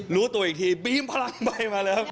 รู้ตัวอีกทีปี๊มพลังใบมาเลยครับ